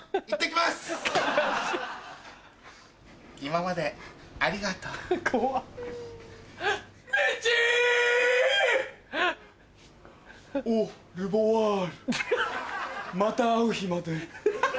また会う日まで。